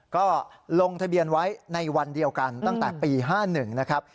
ก็ลงทะเบียนไว้ในวันเดียวกันตั้งแต่ปี๕๑นะครับ